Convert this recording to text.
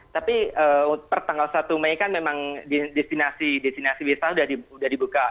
tapi pertanggal satu mei kan memang destinasi destinasi wisata sudah dibuka